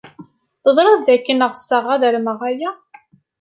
Teẓrid dakken ɣseɣ ad armeɣ aya.